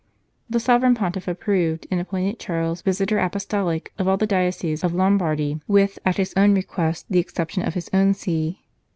The Sovereign Pontiff approved, and appointed Charles Visitor Apostolic of all the dioceses of Lombardy, with, at his own request, the exception of his own see.